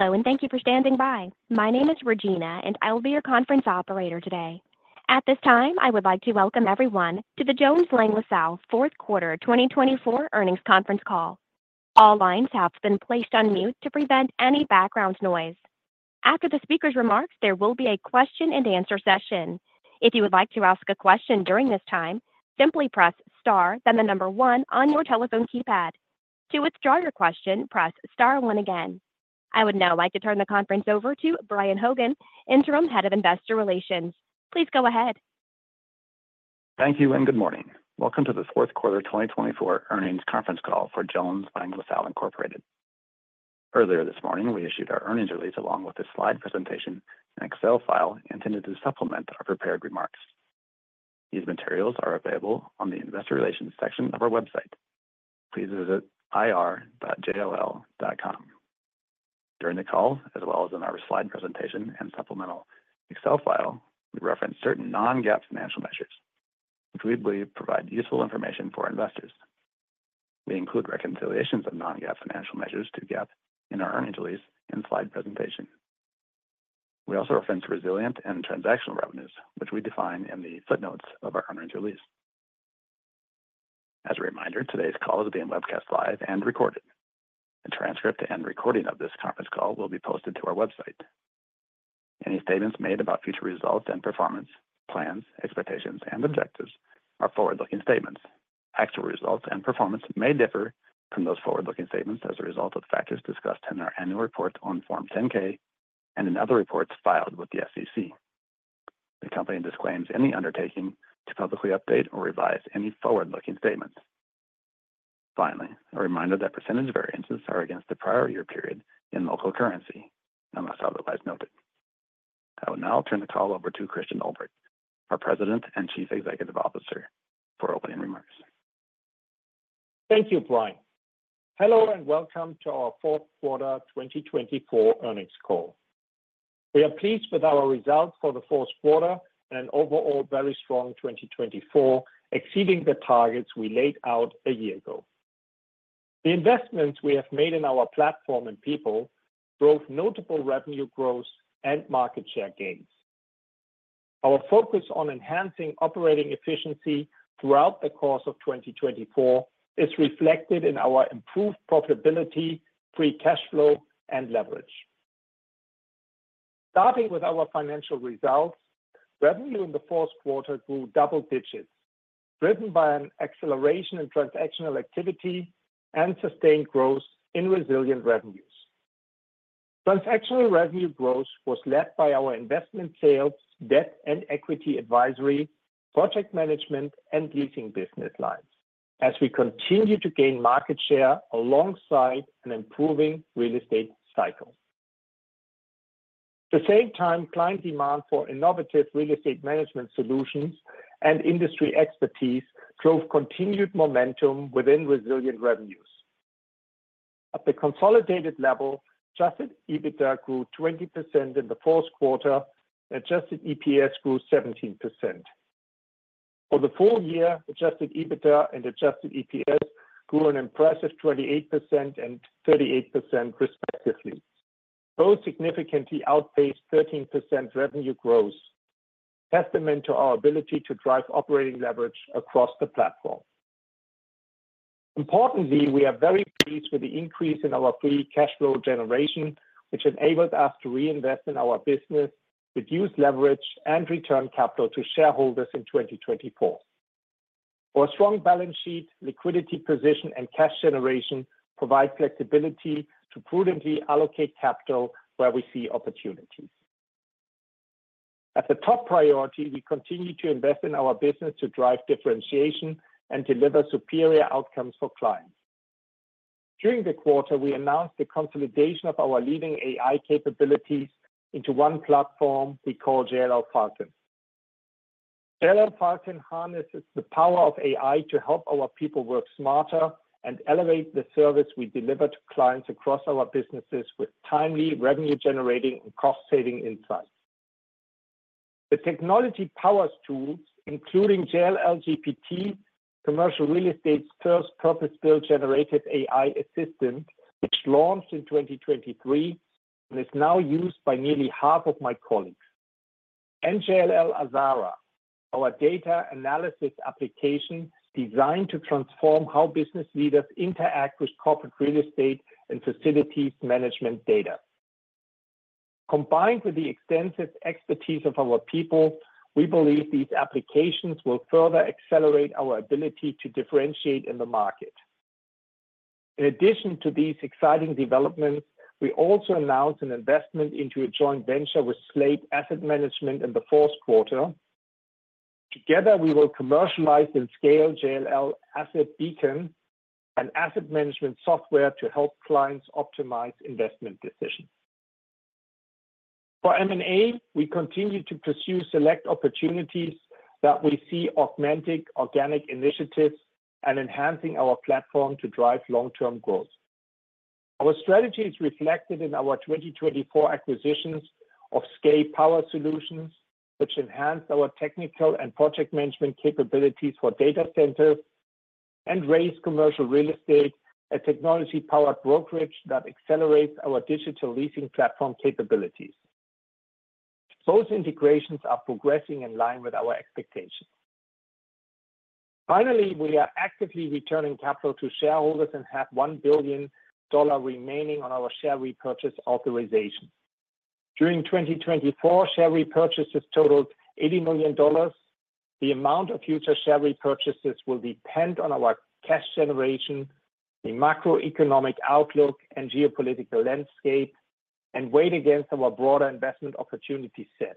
Hello, and thank you for standing by. My name is Regina, and I will be your conference operator today. At this time, I would like to welcome everyone to the Jones Lang LaSalle fourth quarter 2024 earnings conference call. All lines have been placed on mute to prevent any background noise. After the speaker's remarks, there will be a question-and-answer session. If you would like to ask a question during this time, simply press star, then the number one on your telephone keypad. To withdraw your question, press star one again. I would now like to turn the conference over to Brian Hogan, Interim Head of Investor Relations. Please go ahead. Thank you, and good morning. Welcome to the fourth quarter 2024 earnings conference call for Jones Lang LaSalle Incorporated. Earlier this morning, we issued our earnings release along with a slide presentation and Excel file intended to supplement our prepared remarks. These materials are available on the Investor Relations section of our website. Please visit ir.jll.com. During the call, as well as in our slide presentation and supplemental Excel file, we reference certain non-GAAP financial measures, which we believe provide useful information for investors. We include reconciliations of non-GAAP financial measures to GAAP in our earnings release and slide presentation. We also reference resilient and transactional revenues, which we define in the footnotes of our earnings release. As a reminder, today's call is being webcast live and recorded. A transcript and recording of this conference call will be posted to our website. Any statements made about future results and performance, plans, expectations, and objectives are forward-looking statements. Actual results and performance may differ from those forward-looking statements as a result of factors discussed in our annual report on Form 10-K and in other reports filed with the SEC. The company disclaims any undertaking to publicly update or revise any forward-looking statements. Finally, a reminder that percentage variances are against the prior year period in local currency, unless otherwise noted. I will now turn the call over to Christian Ulbrich, our President and Chief Executive Officer, for opening remarks. Thank you, Brian. Hello and welcome to our fourth quarter 2024 earnings call. We are pleased with our results for the fourth quarter and an overall very strong 2024, exceeding the targets we laid out a year ago. The investments we have made in our platform and people drove notable revenue growth and market share gains. Our focus on enhancing operating efficiency throughout the course of 2024 is reflected in our improved profitability, free cash flow, and leverage. Starting with our financial results, revenue in the fourth quarter grew double digits, driven by an acceleration in transactional activity and sustained growth in resilient revenues. Transactional revenue growth was led by our investment sales, debt, and equity advisory, project management, and leasing business lines, as we continue to gain market share alongside an improving real estate cycle. At the same time, client demand for innovative real estate management solutions and industry expertise drove continued momentum within resilient revenues. At the consolidated level, adjusted EBITDA grew 20% in the fourth quarter, and adjusted EPS grew 17%. For the full year, adjusted EBITDA and adjusted EPS grew an impressive 28% and 38%, respectively. Both significantly outpaced 13% revenue growth, a testament to our ability to drive operating leverage across the platform. Importantly, we are very pleased with the increase in our free cash flow generation, which enabled us to reinvest in our business, reduce leverage, and return capital to shareholders in 2024. Our strong balance sheet, liquidity position, and cash generation provide flexibility to prudently allocate capital where we see opportunities. As a top priority, we continue to invest in our business to drive differentiation and deliver superior outcomes for clients. During the quarter, we announced the consolidation of our leading AI capabilities into one platform we call JLL Falcon. JLL Falcon harnesses the power of AI to help our people work smarter and elevate the service we deliver to clients across our businesses with timely revenue-generating and cost-saving insights. The technology powers tools, including JLL GPT, commercial real estate's first purpose-built generative AI assistant, which launched in 2023 and is now used by nearly half of my colleagues, and JLL Azara, our data analysis application designed to transform how business leaders interact with corporate real estate and facilities management data. Combined with the extensive expertise of our people, we believe these applications will further accelerate our ability to differentiate in the market. In addition to these exciting developments, we also announced an investment into a joint venture with Slate Asset Management in the fourth quarter. Together, we will commercialize and scale JLL Asset Beacon, an asset management software to help clients optimize investment decisions. For M&A, we continue to pursue select opportunities that we see augmenting organic initiatives and enhancing our platform to drive long-term growth. Our strategy is reflected in our 2024 acquisitions of SKAE Power Solutions, which enhanced our technical and project management capabilities for data centers and Raise Commercial Real Estate and technology-powered brokerage that accelerates our digital leasing platform capabilities. Those integrations are progressing in line with our expectations. Finally, we are actively returning capital to shareholders and have $1 billion remaining on our share repurchase authorization. During 2024, share repurchases totaled $80 million. The amount of future share repurchases will depend on our cash generation, the macroeconomic outlook, and geopolitical landscape, and weighed against our broader investment opportunity set.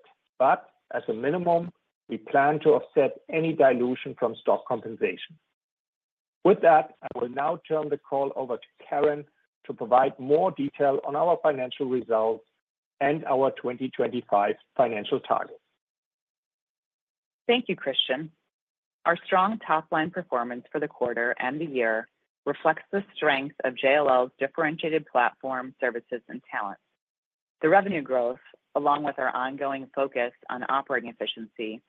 As a minimum, we plan to offset any dilution from stock compensation. With that, I will now turn the call over to Karen to provide more detail on our financial results and our 2025 financial targets. Thank you, Christian. Our strong top-line performance for the quarter and the year reflects the strength of JLL's differentiated platform, services, and talent. The revenue growth, along with our ongoing focus on operating efficiency,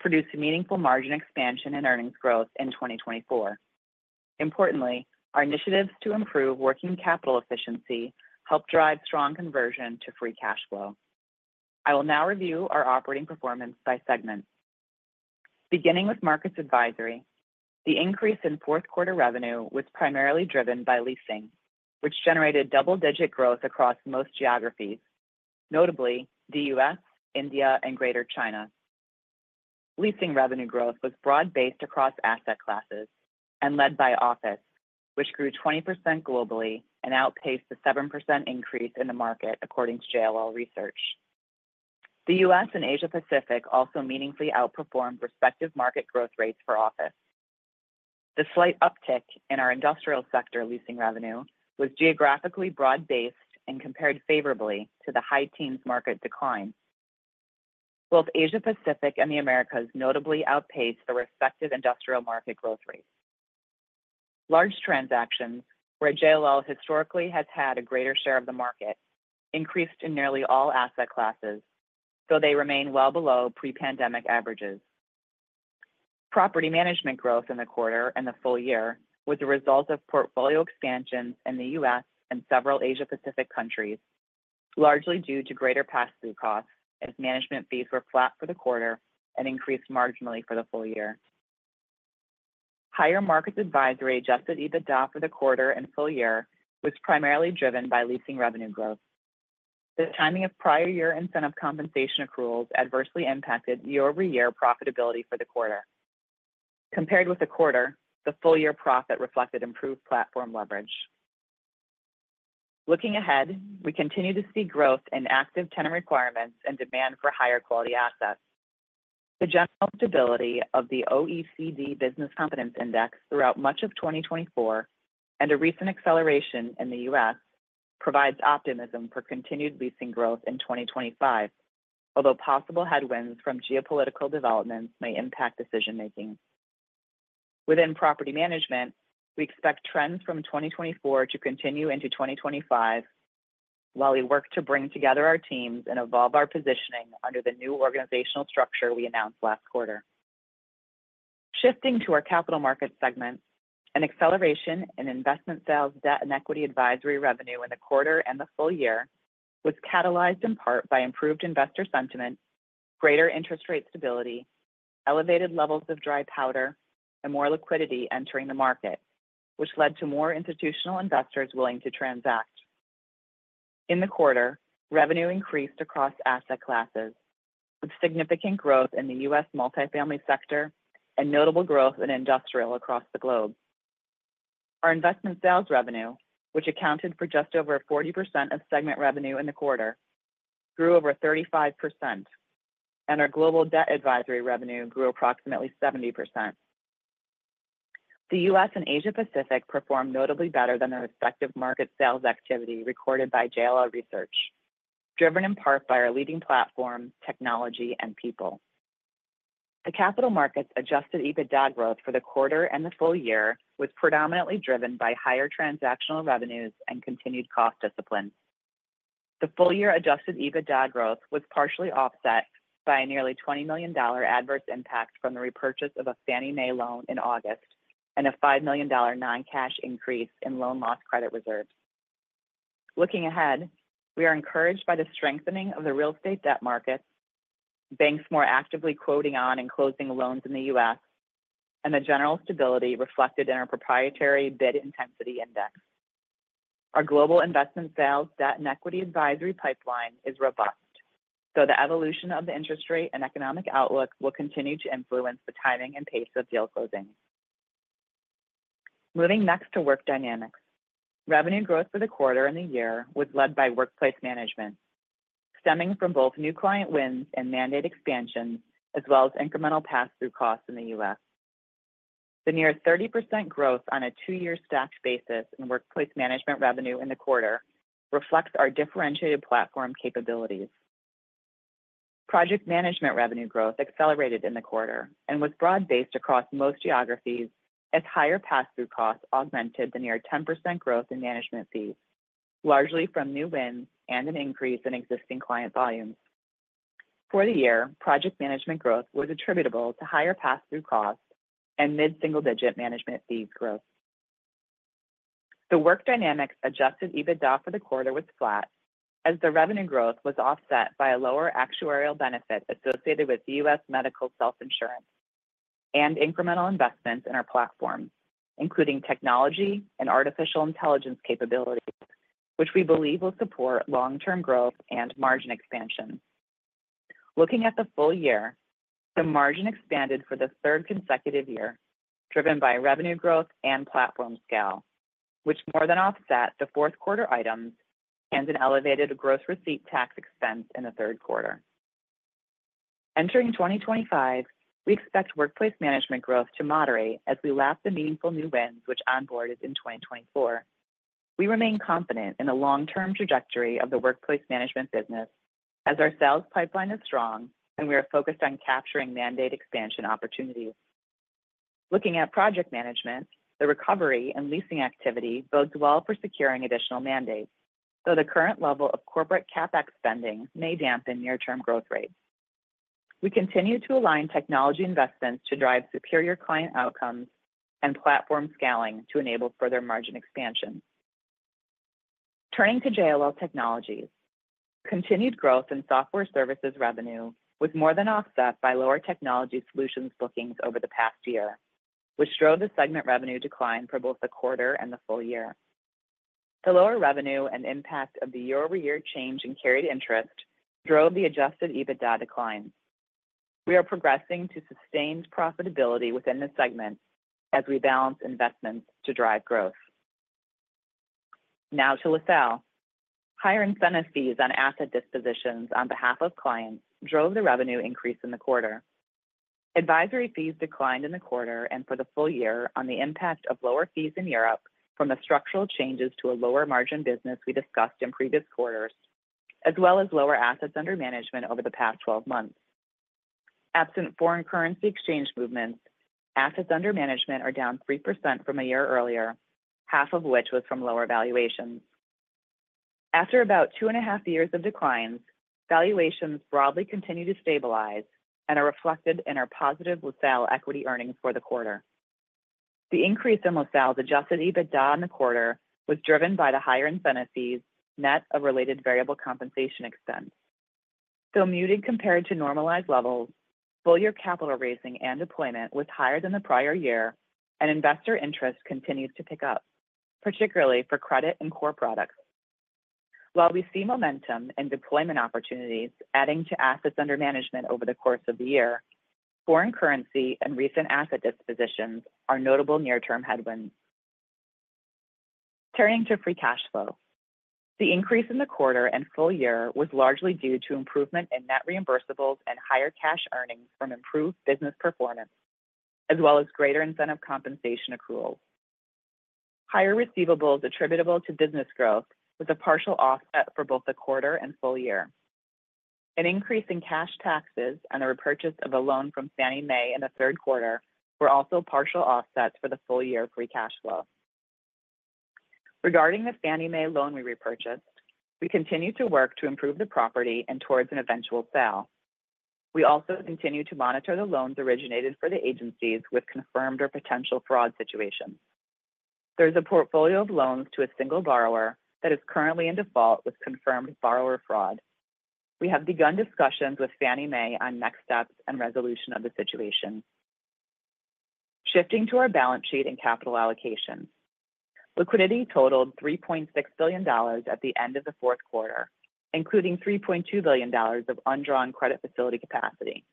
produced meaningful margin expansion and earnings growth in 2024. Importantly, our initiatives to improve working capital efficiency helped drive strong conversion to free cash flow. I will now review our operating performance by segments. Beginning with Markets Advisory, the increase in fourth quarter revenue was primarily driven by leasing, which generated double-digit growth across most geographies, notably the U.S., India, and Greater China. Leasing revenue growth was broad-based across asset classes and led by office, which grew 20% globally and outpaced the 7% increase in the market, according to JLL Research. The U.S. and Asia-Pacific also meaningfully outperformed respective market growth rates for office. The slight uptick in our industrial sector leasing revenue was geographically broad-based and compared favorably to the high teens market decline. Both Asia-Pacific and the Americas notably outpaced the respective industrial market growth rates. Large transactions, where JLL historically has had a greater share of the market, increased in nearly all asset classes, though they remain well below pre-pandemic averages. Property management growth in the quarter and the full year was the result of portfolio expansions in the U.S. and several Asia-Pacific countries, largely due to greater pass-through costs, as management fees were flat for the quarter and increased marginally for the full year. Higher Markets Advisory adjusted EBITDA for the quarter and full year was primarily driven by leasing revenue growth. The timing of prior year incentive compensation accruals adversely impacted year-over-year profitability for the quarter. Compared with the quarter, the full-year profit reflected improved platform leverage. Looking ahead, we continue to see growth in active tenant requirements and demand for higher quality assets. The general stability of the OECD Business Confidence Index throughout much of 2024 and a recent acceleration in the U.S. provides optimism for continued leasing growth in 2025, although possible headwinds from geopolitical developments may impact decision-making. Within property management, we expect trends from 2024 to continue into 2025 while we work to bring together our teams and evolve our positioning under the new organizational structure we announced last quarter. Shifting to our Capital Markets segment, an acceleration in investment sales, debt, and equity advisory revenue in the quarter and the full year was catalyzed in part by improved investor sentiment, greater interest rate stability, elevated levels of dry powder, and more liquidity entering the market, which led to more institutional investors willing to transact. In the quarter, revenue increased across asset classes, with significant growth in the U.S. multifamily sector and notable growth in industrial across the globe. Our investment sales revenue, which accounted for just over 40% of segment revenue in the quarter, grew over 35%, and our global debt advisory revenue grew approximately 70%. The U.S. and Asia-Pacific performed notably better than the respective market sales activity recorded by JLL research, driven in part by our leading platform, technology, and people. The Capital Markets adjusted EBITDA growth for the quarter and the full year was predominantly driven by higher transactional revenues and continued cost discipline. The full-year adjusted EBITDA growth was partially offset by a nearly $20 million adverse impact from the repurchase of a Fannie Mae loan in August and a $5 million non-cash increase in loan loss credit reserves. Looking ahead, we are encouraged by the strengthening of the real estate debt markets, banks more actively quoting on and closing loans in the U.S., and the general stability reflected in our proprietary Bid Intensity Index. Our global investment sales, debt, and equity advisory pipeline is robust, though the evolution of the interest rate and economic outlook will continue to influence the timing and pace of deal closing. Moving next to Work Dynamics, revenue growth for the quarter and the year was led by workplace management, stemming from both new client wins and mandate expansions, as well as incremental pass-through costs in the U.S. The near 30% growth on a two-year stacked basis in workplace management revenue in the quarter reflects our differentiated platform capabilities. Project management revenue growth accelerated in the quarter and was broad-based across most geographies, as higher pass-through costs augmented the near 10% growth in management fees, largely from new wins and an increase in existing client volumes. For the year, project management growth was attributable to higher pass-through costs and mid-single-digit management fees growth. The Work Dynamics adjusted EBITDA for the quarter was flat, as the revenue growth was offset by a lower actuarial benefit associated with U.S. medical self-insurance and incremental investments in our platforms, including technology and artificial intelligence capabilities, which we believe will support long-term growth and margin expansion. Looking at the full year, the margin expanded for the third consecutive year, driven by revenue growth and platform scale, which more than offset the fourth quarter items and an elevated gross receipts tax expense in the third quarter. Entering 2025, we expect workplace management growth to moderate as we lap the meaningful new wins which onboarded in 2024. We remain confident in the long-term trajectory of the workplace management business, as our sales pipeline is strong and we are focused on capturing mandate expansion opportunities. Looking at project management, the recovery and leasing activity bodes well for securing additional mandates, though the current level of corporate CapEx spending may dampen near-term growth rates. We continue to align technology investments to drive superior client outcomes and platform scaling to enable further margin expansion. Turning to JLL Technologies, continued growth in software services revenue was more than offset by lower technology solutions bookings over the past year, which drove the segment revenue decline for both the quarter and the full year. The lower revenue and impact of the year-over-year change in carried interest drove the adjusted EBITDA decline. We are progressing to sustained profitability within the segment as we balance investments to drive growth. Now to LaSalle. Higher incentive fees on asset dispositions on behalf of clients drove the revenue increase in the quarter. Advisory fees declined in the quarter and for the full year on the impact of lower fees in Europe from the structural changes to a lower margin business we discussed in previous quarters, as well as lower assets under management over the past 12 months. Absent foreign currency exchange movements, assets under management are down 3% from a year earlier, half of which was from lower valuations. After about two and a half years of declines, valuations broadly continue to stabilize and are reflected in our positive LaSalle equity earnings for the quarter. The increase in LaSalle's adjusted EBITDA in the quarter was driven by the higher incentive fees net of related variable compensation expense. Though muted compared to normalized levels, full-year capital raising and deployment was higher than the prior year, and investor interest continues to pick up, particularly for credit and core products. While we see momentum in deployment opportunities adding to assets under management over the course of the year, foreign currency and recent asset dispositions are notable near-term headwinds. Turning to free cash flow. The increase in the quarter and full year was largely due to improvement in net reimbursables and higher cash earnings from improved business performance, as well as greater incentive compensation accruals. Higher receivables attributable to business growth was a partial offset for both the quarter and full year. An increase in cash taxes and the repurchase of a loan from Fannie Mae in the third quarter were also partial offsets for the full-year free cash flow. Regarding the Fannie Mae loan we repurchased, we continue to work to improve the property and towards an eventual sale. We also continue to monitor the loans originated for the agencies with confirmed or potential fraud situations. There is a portfolio of loans to a single borrower that is currently in default with confirmed borrower fraud. We have begun discussions with Fannie Mae on next steps and resolution of the situation. Shifting to our balance sheet and capital allocations, liquidity totaled $3.6 billion at the end of the fourth quarter, including $3.2 billion of undrawn credit facility capacity.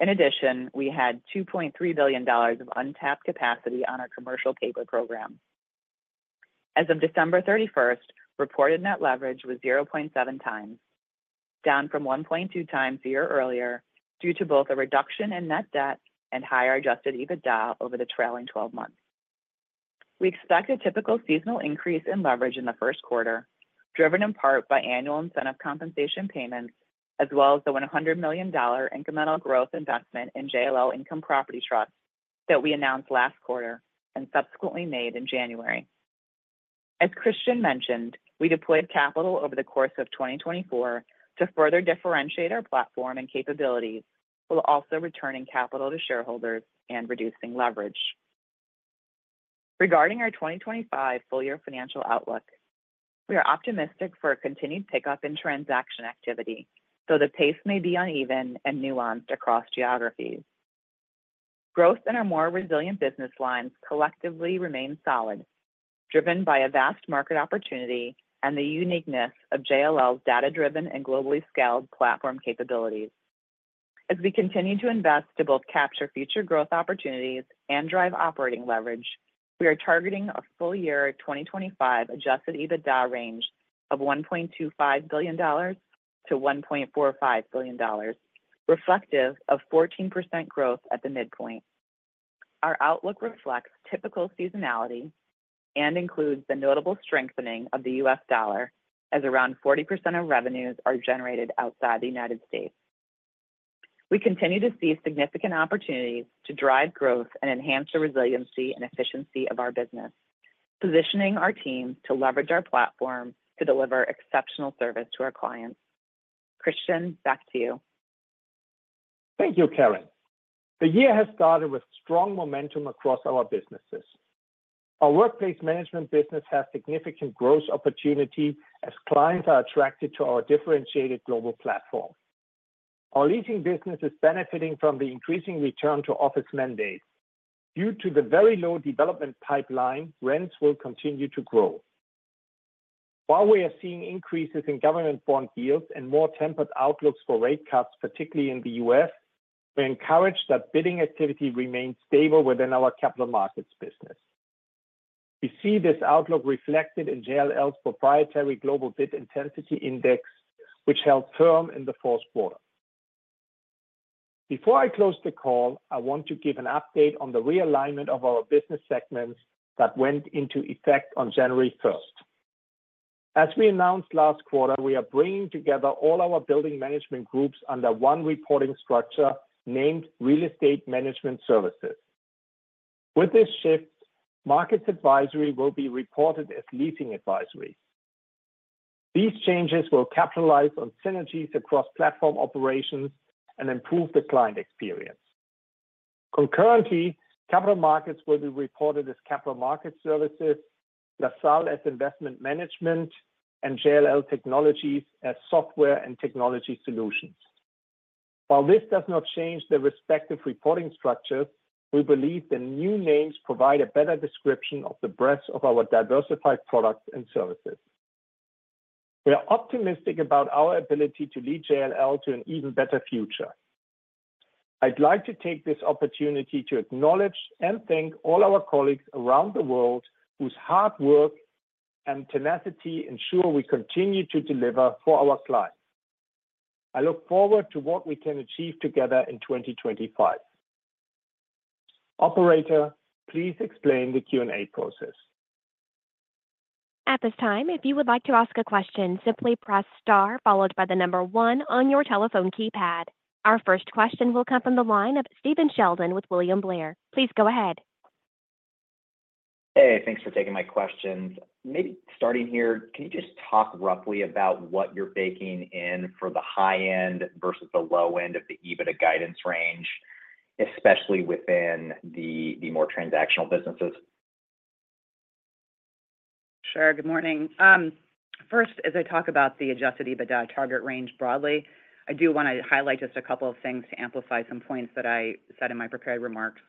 In addition, we had $2.3 billion of untapped capacity on our commercial paper program. As of December 31st, reported net leverage was 0.7 times, down from 1.2 times a year earlier due to both a reduction in net debt and higher adjusted EBITDA over the trailing 12 months. We expect a typical seasonal increase in leverage in the first quarter, driven in part by annual incentive compensation payments, as well as the $100 million incremental growth investment in JLL Income Property Trust that we announced last quarter and subsequently made in January. As Christian mentioned, we deployed capital over the course of 2024 to further differentiate our platform and capabilities while also returning capital to shareholders and reducing leverage. Regarding our 2025 full-year financial outlook, we are optimistic for a continued pickup in transaction activity, though the pace may be uneven and nuanced across geographies. Growth in our more resilient business lines collectively remains solid, driven by a vast market opportunity and the uniqueness of JLL's data-driven and globally scaled platform capabilities. As we continue to invest to both capture future growth opportunities and drive operating leverage, we are targeting a full-year 2025 adjusted EBITDA range of $1.25 billion-$1.45 billion, reflective of 14% growth at the midpoint. Our outlook reflects typical seasonality and includes the notable strengthening of the U.S. dollar, as around 40% of revenues are generated outside the United States. We continue to see significant opportunities to drive growth and enhance the resiliency and efficiency of our business, positioning our team to leverage our platform to deliver exceptional service to our clients. Christian, back to you. Thank you, Karen. The year has started with strong momentum across our businesses. Our workplace management business has significant growth opportunity as clients are attracted to our differentiated global platform. Our leasing business is benefiting from the increasing return to office mandates. Due to the very low development pipeline, rents will continue to grow. While we are seeing increases in government bond yields and more tempered outlooks for rate cuts, particularly in the U.S., we're encouraged that bidding activity remains stable within our Capital Markets business. We see this outlook reflected in JLL's proprietary global Bid Intensity Index, which held firm in the fourth quarter. Before I close the call, I want to give an update on the realignment of our business segments that went into effect on January 1st. As we announced last quarter, we are bringing together all our building management groups under one reporting structure named Real Estate Management Services. With this shift, Markets Advisory will be reported as Leasing Advisory. These changes will capitalize on synergies across platform operations and improve the client experience. Concurrently, Capital Markets will be reported as Capital Markets Services, LaSalle as Investment Management, and JLL Technologies as Software and Technology Solutions. While this does not change the respective reporting structures, we believe the new names provide a better description of the breadth of our diversified products and services. We are optimistic about our ability to lead JLL to an even better future. I'd like to take this opportunity to acknowledge and thank all our colleagues around the world whose hard work and tenacity ensure we continue to deliver for our clients. I look forward to what we can achieve together in 2025. Operator, please explain the Q&A process. At this time, if you would like to ask a question, simply press star followed by the number one on your telephone keypad. Our first question will come from the line of Stephen Sheldon with William Blair. Please go ahead. Hey, thanks for taking my questions. Maybe starting here, can you just talk roughly about what you're baking in for the high-end versus the low-end of the EBITDA guidance range, especially within the more transactional businesses? Sure. Good morning. First, as I talk about the adjusted EBITDA target range broadly, I do want to highlight just a couple of things to amplify some points that I said in my prepared remarks.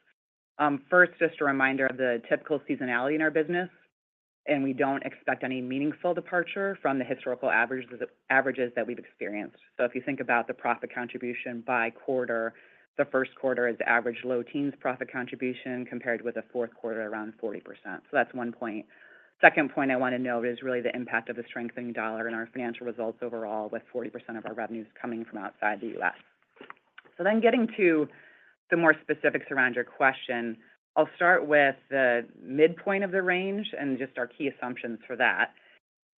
First, just a reminder of the typical seasonality in our business, and we don't expect any meaningful departure from the historical averages that we've experienced. So if you think about the profit contribution by quarter, the first quarter is average low teens profit contribution compared with the fourth quarter, around 40%. So that's one point. Second point I want to note is really the impact of the strengthening dollar in our financial results overall, with 40% of our revenues coming from outside the U.S. So then getting to the more specifics around your question, I'll start with the midpoint of the range and just our key assumptions for that.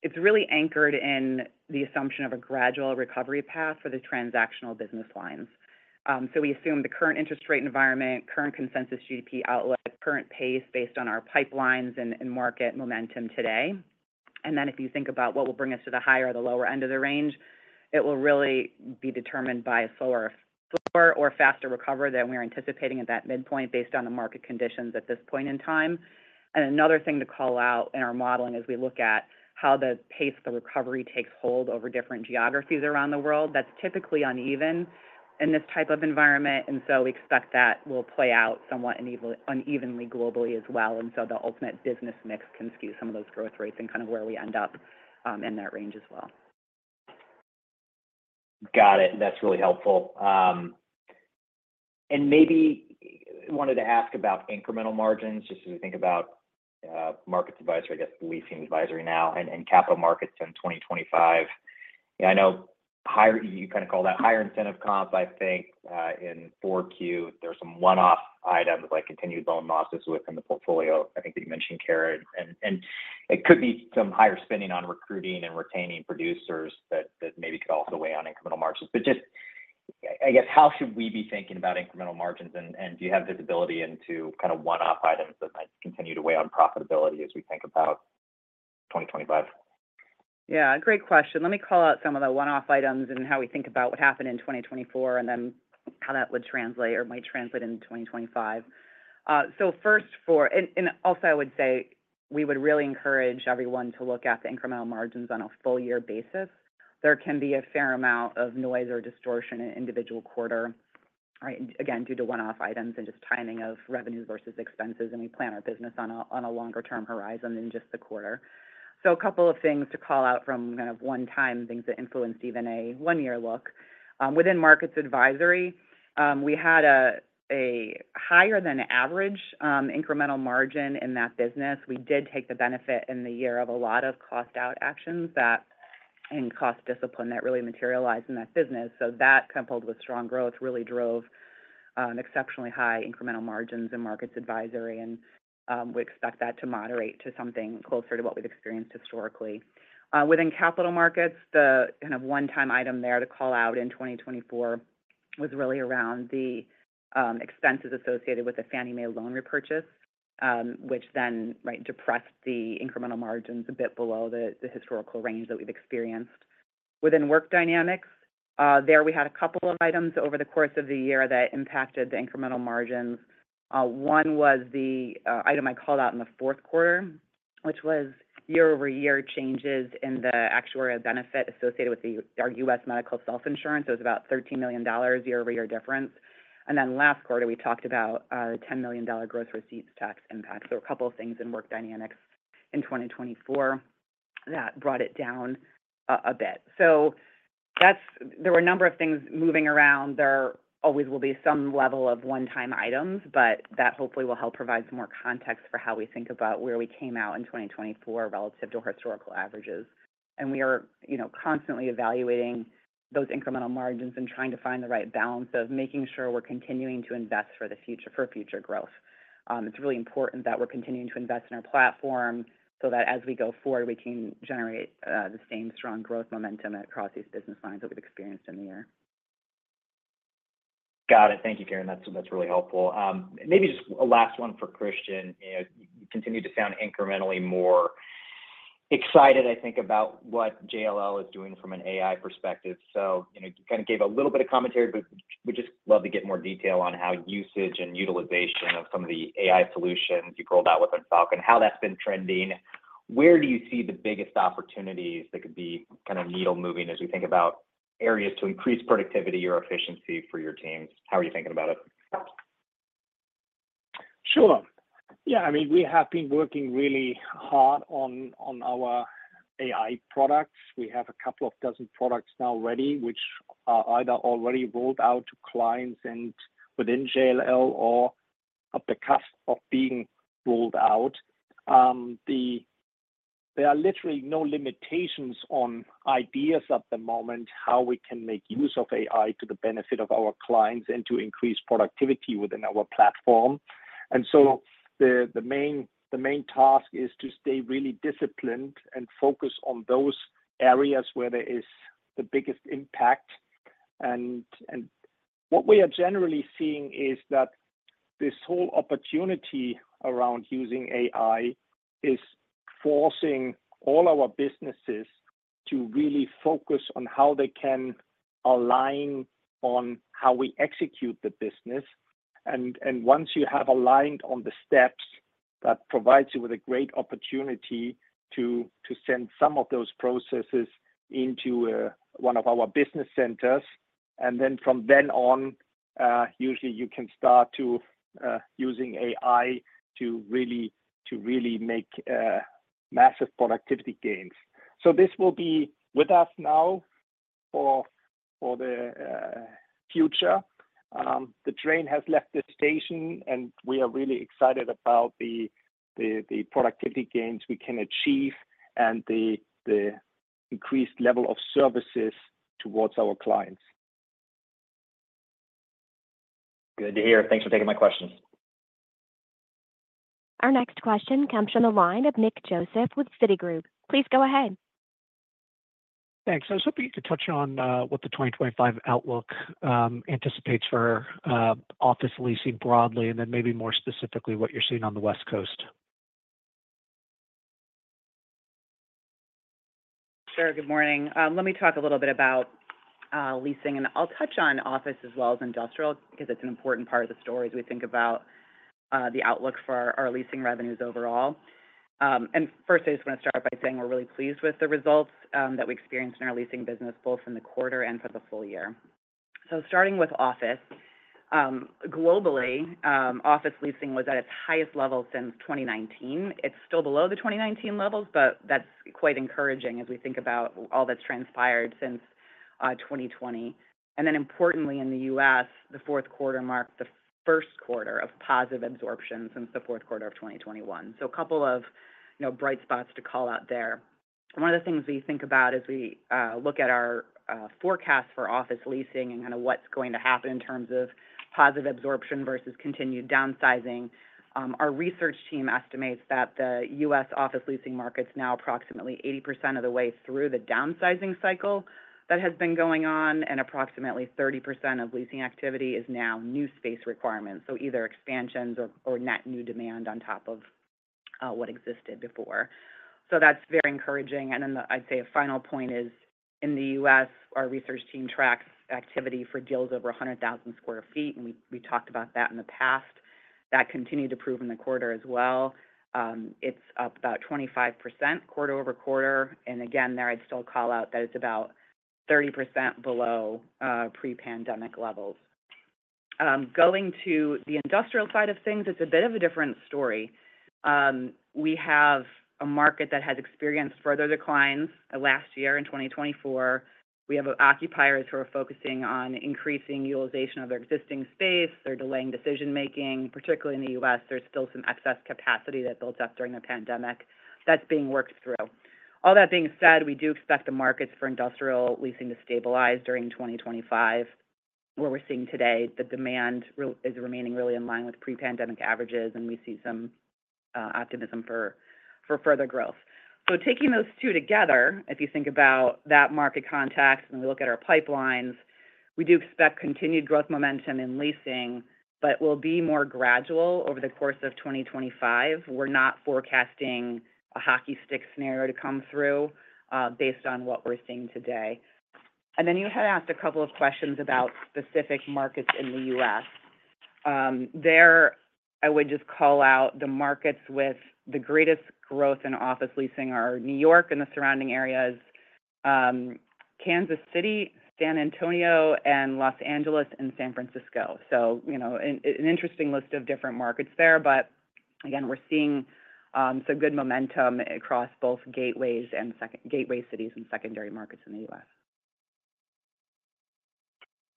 It's really anchored in the assumption of a gradual recovery path for the transactional business lines. So we assume the current interest rate environment, current consensus GDP outlook, current pace based on our pipelines and market momentum today. And then if you think about what will bring us to the higher or the lower end of the range, it will really be determined by a slower or faster recovery than we're anticipating at that midpoint based on the market conditions at this point in time. And another thing to call out in our modeling is we look at how the pace of the recovery takes hold over different geographies around the world. That's typically uneven in this type of environment, and so we expect that will play out somewhat unevenly globally as well. And so the ultimate business mix can skew some of those growth rates and kind of where we end up in that range as well. Got it. That's really helpful. And maybe I wanted to ask about incremental margins just as we think about Markets Advisory, I guess Leasing Advisory now, and Capital Markets in 2025. I know you kind of call that higher incentive comp. I think in 4Q, there's some one-off items like continued loan losses within the portfolio. I think that you mentioned, Karen, and it could be some higher spending on recruiting and retaining producers that maybe could also weigh on incremental margins. But just, I guess, how should we be thinking about incremental margins? And do you have visibility into kind of one-off items that might continue to weigh on profitability as we think about 2025? Yeah, great question. Let me call out some of the one-off items and how we think about what happened in 2024 and then how that would translate or might translate into 2025. So first, and also I would say we would really encourage everyone to look at the incremental margins on a full-year basis. There can be a fair amount of noise or distortion in individual quarter, again, due to one-off items and just timing of revenues versus expenses, and we plan our business on a longer-term horizon than just the quarter. So a couple of things to call out from kind of one-time things that influenced even a one-year look. Within Markets Advisory, we had a higher-than-average incremental margin in that business. We did take the benefit in the year of a lot of cost-out actions and cost discipline that really materialized in that business. So that coupled with strong growth really drove exceptionally high incremental margins in Markets Advisory, and we expect that to moderate to something closer to what we've experienced historically. Within Capital Markets, the kind of one-time item there to call out in 2024 was really around the expenses associated with the Fannie Mae loan repurchase, which then depressed the incremental margins a bit below the historical range that we've experienced. Within Work Dynamics, there we had a couple of items over the course of the year that impacted the incremental margins. One was the item I called out in the fourth quarter, which was year-over-year changes in the actuarial benefit associated with our U.S. medical self-insurance. It was about $13 million year-over-year difference. And then last quarter, we talked about the $10 million gross receipts tax impact, so a couple of things in Work Dynamics in 2024 that brought it down a bit, so there were a number of things moving around. There always will be some level of one-time items, but that hopefully will help provide some more context for how we think about where we came out in 2024 relative to historical averages, and we are constantly evaluating those incremental margins and trying to find the right balance of making sure we're continuing to invest for future growth. It's really important that we're continuing to invest in our platform so that as we go forward, we can generate the same strong growth momentum across these business lines that we've experienced in the year. Got it. Thank you, Karen. That's really helpful. Maybe just a last one for Christian. You continue to sound incrementally more excited, I think, about what JLL is doing from an AI perspective. So you kind of gave a little bit of commentary, but we'd just love to get more detail on how usage and utilization of some of the AI solutions you've rolled out within Falcon, how that's been trending. Where do you see the biggest opportunities that could be kind of needle-moving as we think about areas to increase productivity or efficiency for your teams? How are you thinking about it? Sure. Yeah. I mean, we have been working really hard on our AI products. We have a couple of dozen products now ready, which are either already rolled out to clients within JLL or on the cusp of being rolled out. There are literally no limitations on ideas at the moment how we can make use of AI to the benefit of our clients and to increase productivity within our platform. And so the main task is to stay really disciplined and focus on those areas where there is the biggest impact. And what we are generally seeing is that this whole opportunity around using AI is forcing all our businesses to really focus on how they can align on how we execute the business. And once you have aligned on the steps, that provides you with a great opportunity to send some of those processes into one of our business centers. And then from then on, usually you can start using AI to really make massive productivity gains. So this will be with us now for the future. The train has left the station, and we are really excited about the productivity gains we can achieve and the increased level of services towards our clients. Good to hear. Thanks for taking my questions. Our next question comes from the line of Nick Joseph with Citigroup. Please go ahead. Thanks. I was hoping to touch on what the 2025 outlook anticipates for office leasing broadly, and then maybe more specifically what you're seeing on the West Coast. Sure. Good morning. Let me talk a little bit about leasing, and I'll touch on office as well as industrial because it's an important part of the story as we think about the outlook for our leasing revenues overall. And first, I just want to start by saying we're really pleased with the results that we experienced in our leasing business both in the quarter and for the full year. So starting with office, globally, office leasing was at its highest level since 2019. It's still below the 2019 levels, but that's quite encouraging as we think about all that's transpired since 2020. And then importantly, in the U.S., the fourth quarter marked the first quarter of positive absorption since the fourth quarter of 2021. So a couple of bright spots to call out there. One of the things we think about as we look at our forecast for office leasing and kind of what's going to happen in terms of positive absorption versus continued downsizing, our research team estimates that the U.S. office leasing market's now approximately 80% of the way through the downsizing cycle that has been going on, and approximately 30% of leasing activity is now new space requirements, so either expansions or net new demand on top of what existed before. So that's very encouraging. And then I'd say a final point is, in the U.S., our research team tracks activity for deals over 100,000 sq ft, and we talked about that in the past. That continued to prove in the quarter as well. It's up about 25% quarter-over-quarter. And again, there I'd still call out that it's about 30% below pre-pandemic levels. Going to the industrial side of things, it's a bit of a different story. We have a market that has experienced further declines last year in 2024. We have occupiers who are focusing on increasing utilization of their existing space. They're delaying decision-making. Particularly in the U.S., there's still some excess capacity that built up during the pandemic that's being worked through. All that being said, we do expect the markets for industrial leasing to stabilize during 2025, where we're seeing today the demand is remaining really in line with pre-pandemic averages, and we see some optimism for further growth. So taking those two together, if you think about that market context and we look at our pipelines, we do expect continued growth momentum in leasing, but it will be more gradual over the course of 2025. We're not forecasting a hockey stick scenario to come through based on what we're seeing today. And then you had asked a couple of questions about specific markets in the U.S. There, I would just call out the markets with the greatest growth in office leasing are New York and the surrounding areas, Kansas City, San Antonio, and Los Angeles and San Francisco. So an interesting list of different markets there. But again, we're seeing some good momentum across both gateways and gateway cities and secondary markets in the U.S.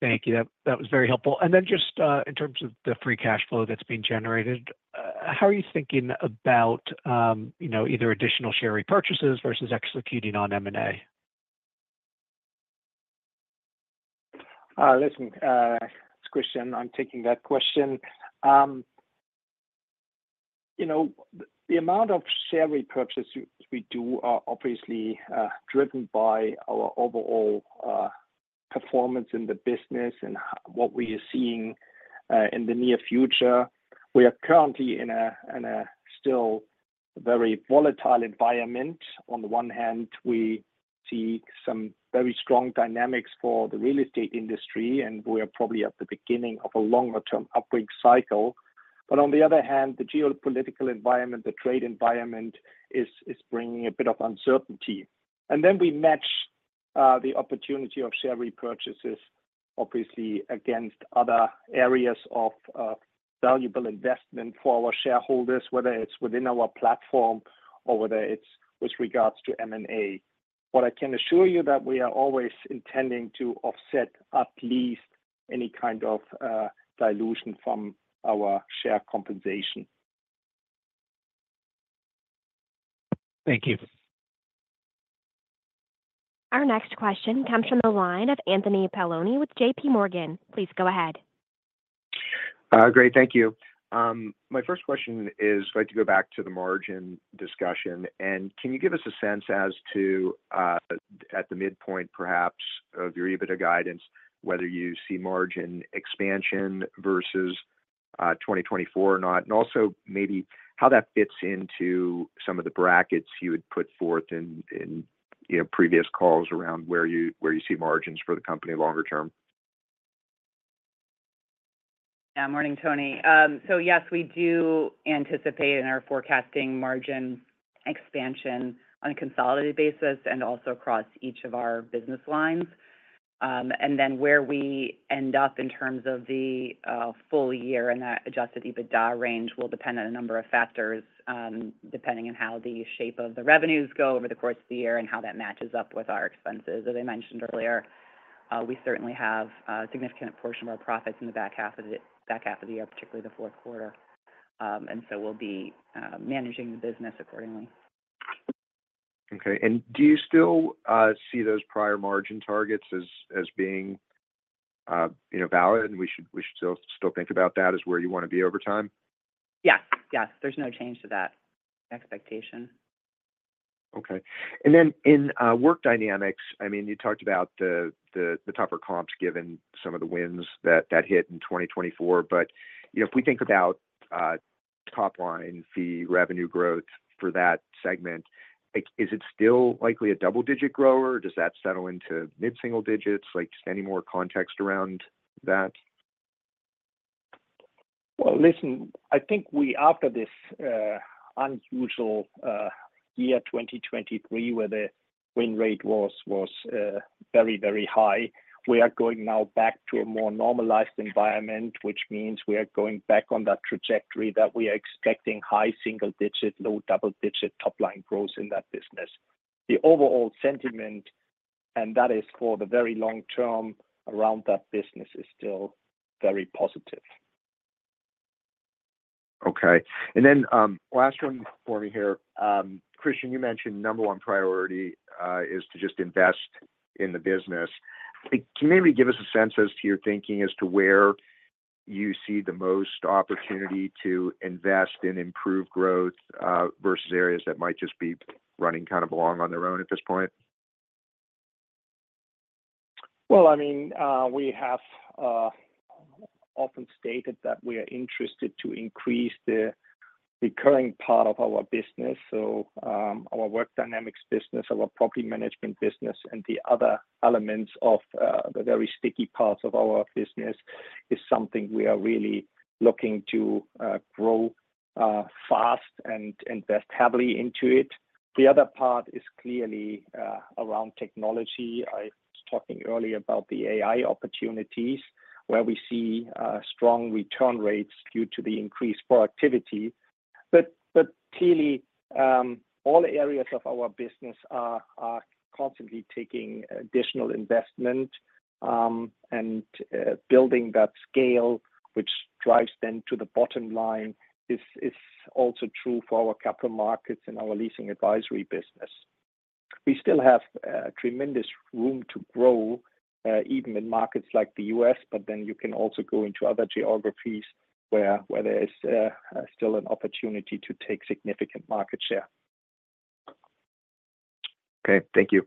Thank you. That was very helpful. And then, just in terms of the free cash flow that's being generated, how are you thinking about either additional share repurchases versus executing on M&A? Listen, it's Christian. I'm taking that question. The amount of share repurchases we do are obviously driven by our overall performance in the business and what we are seeing in the near future. We are currently in a still very volatile environment. On the one hand, we see some very strong dynamics for the real estate industry, and we are probably at the beginning of a longer-term upward cycle. But on the other hand, the geopolitical environment, the trade environment is bringing a bit of uncertainty. And then we match the opportunity of share repurchases, obviously, against other areas of valuable investment for our shareholders, whether it's within our platform or whether it's with regards to M&A. But I can assure you that we are always intending to offset at least any kind of dilution from our share compensation. Thank you. Our next question comes from the line of Anthony Paolone with JP Morgan. Please go ahead. Great. Thank you. My first question is going to go back to the margin discussion. And can you give us a sense as to, at the midpoint perhaps of your EBITDA guidance, whether you see margin expansion versus 2024 or not? And also maybe how that fits into some of the brackets you had put forth in previous calls around where you see margins for the company longer term. Yeah. Morning, Tony. So yes, we do anticipate in our forecasting margin expansion on a consolidated basis and also across each of our business lines. And then where we end up in terms of the full year and that adjusted EBITDA range will depend on a number of factors depending on how the shape of the revenues go over the course of the year and how that matches up with our expenses. As I mentioned earlier, we certainly have a significant portion of our profits in the back half of the year, particularly the fourth quarter. And so we'll be managing the business accordingly. Okay. And do you still see those prior margin targets as being valid and we should still think about that as where you want to be over time? Yes. Yes. There's no change to that expectation. Okay. And then in Work Dynamics, I mean, you talked about the tougher comps given some of the wins that hit in 2024. But if we think about top-line fee revenue growth for that segment, is it still likely a double-digit grower? Does that settle into mid-single digits? Just any more context around that? Well, listen, I think we, after this unusual year 2023 where the win rate was very, very high, we are going now back to a more normalized environment, which means we are going back on that trajectory that we are expecting high single-digit, low double-digit top-line growth in that business. The overall sentiment, and that is for the very long term around that business, is still very positive. Okay. And then last one for me here. Christian, you mentioned number one priority is to just invest in the business. Can you maybe give us a sense as to your thinking as to where you see the most opportunity to invest in improved growth versus areas that might just be running kind of along on their own at this point? Well, I mean, we have often stated that we are interested to increase the recurring part of our business. So our Work Dynamics business, our property management business, and the other elements of the very sticky parts of our business is something we are really looking to grow fast and invest heavily into it. The other part is clearly around technology. I was talking earlier about the AI opportunities where we see strong return rates due to the increased productivity. But clearly, all areas of our business are constantly taking additional investment and building that scale, which drives them to the bottom line. This is also true for our Capital Markets and our leasing advisory business. We still have tremendous room to grow even in markets like the U.S., but then you can also go into other geographies where there is still an opportunity to take significant market share. Okay. Thank you.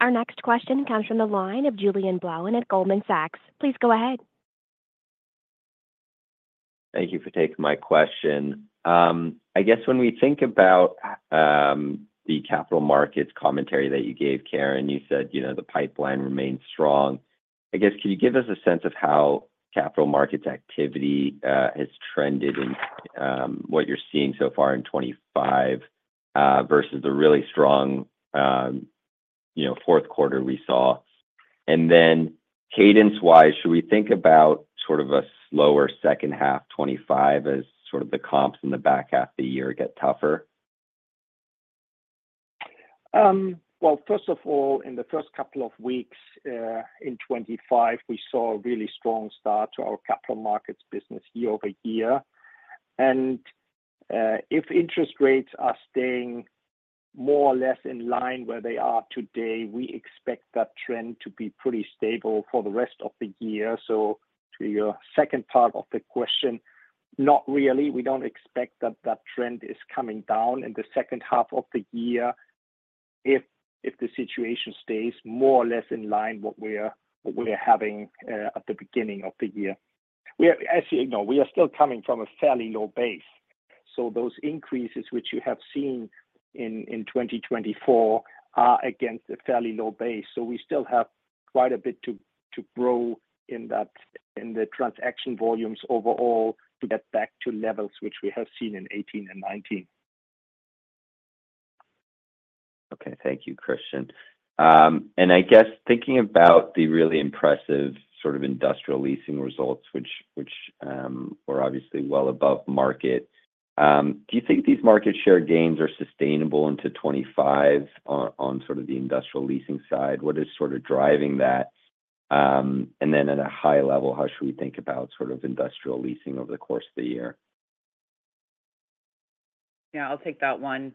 Our next question comes from the line of Julien Blouin at Goldman Sachs. Please go ahead. Thank you for taking my question. I guess when we think about the Capital Markets commentary that you gave, Karen, you said the pipeline remains strong. I guess could you give us a sense of how Capital Markets activity has trended in what you're seeing so far in 2025 versus the really strong fourth quarter we saw? And then cadence-wise, should we think about sort of a slower second half 2025 as sort of the comps in the back half of the year get tougher? Well, first of all, in the first couple of weeks in 2025, we saw a really strong start to our Capital Markets business year over year. And if interest rates are staying more or less in line where they are today, we expect that trend to be pretty stable for the rest of the year. So to your second part of the question, not really. We don't expect that that trend is coming down in the second half of the year if the situation stays more or less in line with what we are having at the beginning of the year. As you know, we are still coming from a fairly low base. So those increases which you have seen in 2024 are against a fairly low base. So we still have quite a bit to grow in the transaction volumes overall to get back to levels which we have seen in 2018 and 2019. Okay. Thank you, Christian. And I guess thinking about the really impressive sort of industrial leasing results, which were obviously well above market, do you think these market share gains are sustainable into 2025 on sort of the industrial leasing side? What is sort of driving that? And then at a high level, how should we think about sort of industrial leasing over the course of the year? Yeah. I'll take that one.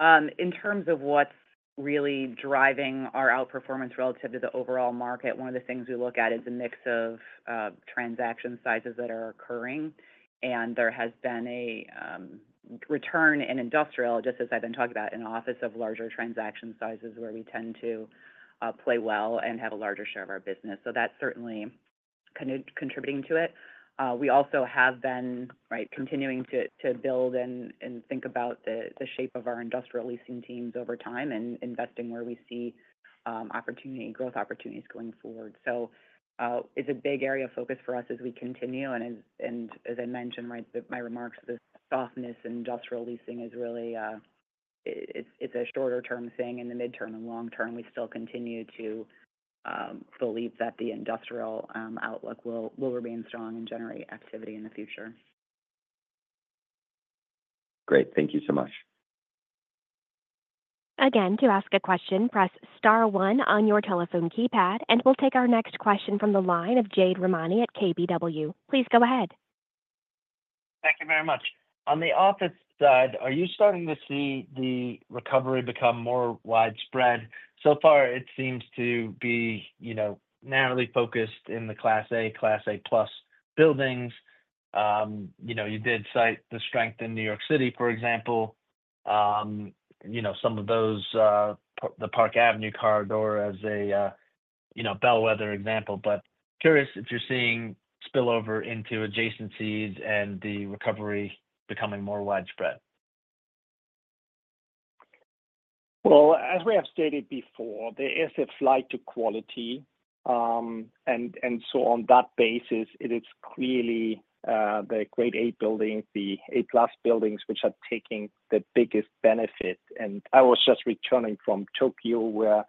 In terms of what's really driving our outperformance relative to the overall market, one of the things we look at is a mix of transaction sizes that are occurring. And there has been a return in industrial, just as I've been talking about, in the office of larger transaction sizes where we tend to play well and have a larger share of our business. So that's certainly contributing to it. We also have been continuing to build and think about the shape of our industrial leasing teams over time and investing where we see growth opportunities going forward. So it's a big area of focus for us as we continue. And as I mentioned, my remarks to the softness in industrial leasing is really a shorter-term thing in the midterm and long term. We still continue to believe that the industrial outlook will remain strong and generate activity in the future. Great. Thank you so much. Again, to ask a question, press star one on your telephone keypad, and we'll take our next question from the line of Jade Rahmani at KBW. Please go ahead. Thank you very much. On the office side, are you starting to see the recovery become more widespread? So far, it seems to be narrowly focused in the Class A, Class A-plus buildings. You did cite the strength in New York City, for example. Some of those, the Park Avenue corridor as a bellwether example. But curious if you're seeing spillover into adjacencies and the recovery becoming more widespread? Well, as we have stated before, there is a flight to quality. And so on that basis, it is clearly the Grade A buildings, the A-plus buildings, which are taking the biggest benefit. I was just returning from Tokyo where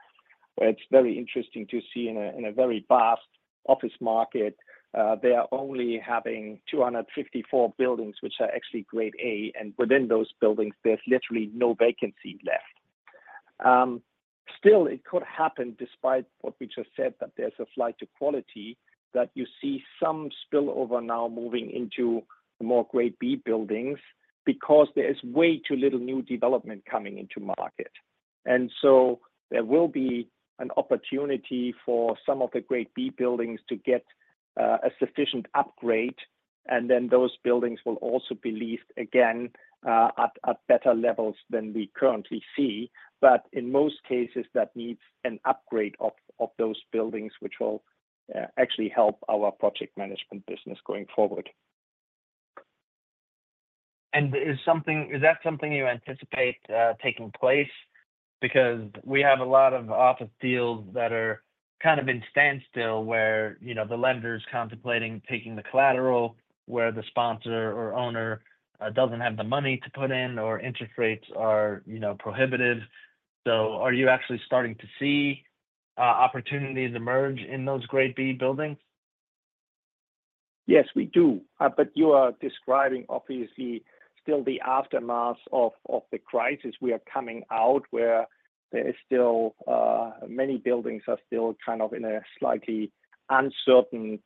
it's very interesting to see in a very vast office market, they are only having 254 buildings which are actually Grade A. Within those buildings, there's literally no vacancy left. Still, it could happen despite what we just said that there's a flight to quality that you see some spillover now moving into more Grade B buildings because there is way too little new development coming into market. So there will be an opportunity for some of the Grade B buildings to get a sufficient upgrade. Then those buildings will also be leased again at better levels than we currently see. But in most cases, that needs an upgrade of those buildings which will actually help our project management business going forward. Is that something you anticipate taking place? Because we have a lot of office deals that are kind of in standstill where the lender is contemplating taking the collateral where the sponsor or owner doesn't have the money to put in or interest rates are prohibitive. So are you actually starting to see opportunities emerge in those Grade B buildings? Yes, we do, but you are describing obviously still the aftermath of the crisis we are coming out where many buildings are still kind of in a slightly uncertain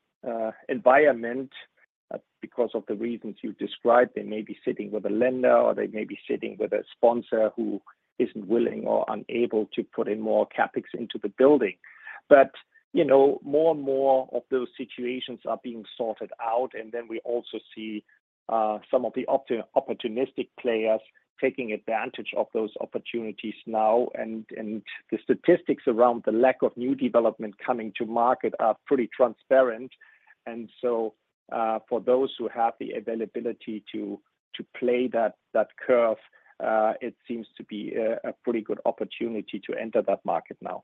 environment because of the reasons you described. They may be sitting with a lender or they may be sitting with a sponsor who isn't willing or unable to put in more capex into the building. But more and more of those situations are being sorted out, and then we also see some of the opportunistic players taking advantage of those opportunities now. The statistics around the lack of new development coming to market are pretty transparent, and so for those who have the availability to play that curve, it seems to be a pretty good opportunity to enter that market now.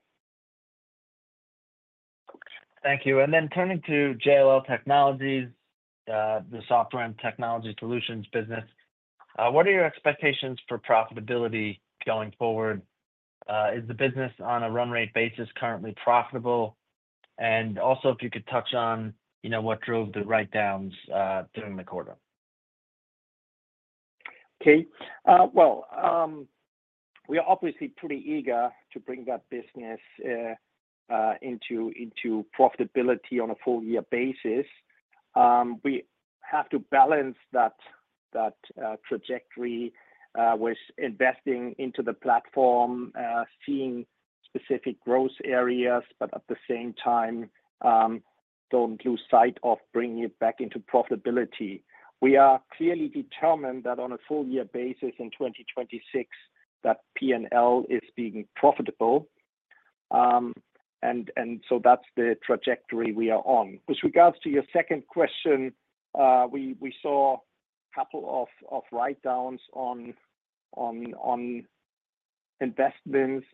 Thank you. Turning to JLL Technologies, the software and technology solutions business, what are your expectations for profitability going forward? Is the business on a run rate basis currently profitable? And also if you could touch on what drove the write-downs during the quarter. Okay. We are obviously pretty eager to bring that business into profitability on a full-year basis. We have to balance that trajectory with investing into the platform, seeing specific growth areas, but at the same time, don't lose sight of bringing it back into profitability. We are clearly determined that on a full-year basis in 2026, that P&L is being profitable. And so that's the trajectory we are on. With regards to your second question, we saw a couple of write-downs on investments,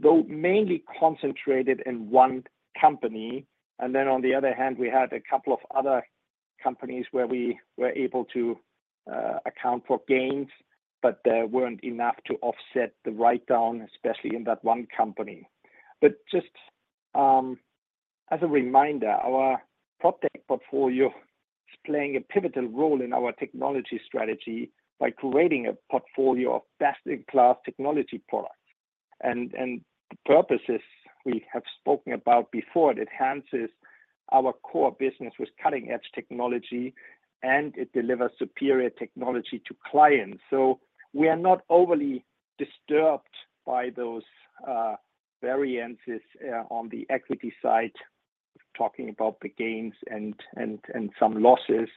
though mainly concentrated in one company. And then on the other hand, we had a couple of other companies where we were able to account for gains, but there weren't enough to offset the write-down, especially in that one company. But just as a reminder, our proptech portfolio is playing a pivotal role in our technology strategy by creating a portfolio of best-in-class technology products. And the purposes we have spoken about before, it enhances our core business with cutting-edge technology, and it delivers superior technology to clients. So we are not overly disturbed by those variances on the equity side, talking about the gains and some losses.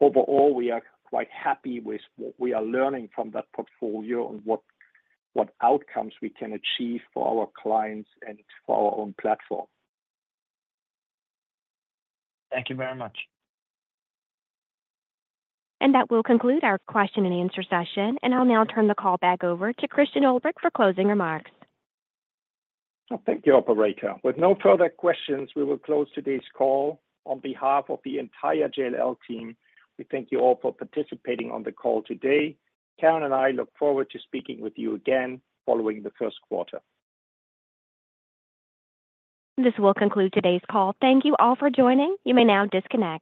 Overall, we are quite happy with what we are learning from that portfolio and what outcomes we can achieve for our clients and for our own platform. Thank you very much. And that will conclude our question and answer session. And I'll now turn the call back over to Christian Ulbrich for closing remarks. Thank you, Operator. With no further questions, we will close today's call. On behalf of the entire JLL team, we thank you all for participating on the call today. Karen and I look forward to speaking with you again following the first quarter. This will conclude today's call. Thank you all for joining. You may now disconnect.